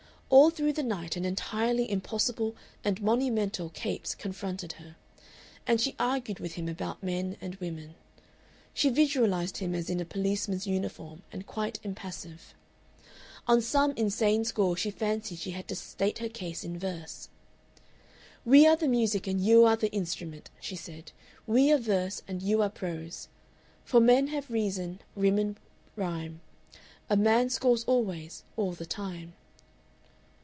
All through the night an entirely impossible and monumental Capes confronted her, and she argued with him about men and women. She visualized him as in a policeman's uniform and quite impassive. On some insane score she fancied she had to state her case in verse. "We are the music and you are the instrument," she said; "we are verse and you are prose. "For men have reason, women rhyme A man scores always, all the time."